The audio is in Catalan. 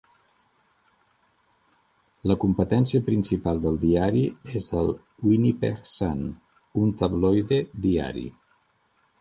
La competència principal del diari és el "Winnipeg Sun", un tabloide diari.